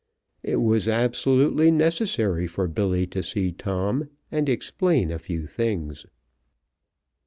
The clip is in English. It was absolutely necessary for Billy to see Tom, and explain a few things.